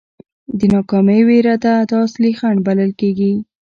د ناکامۍ وېره ده دا اصلي خنډ بلل کېږي.